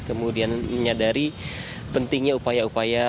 kemudian menyadari pentingnya upaya upaya